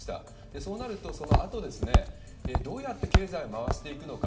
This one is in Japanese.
そうなると、そのあとどうやって経済を回していくのか。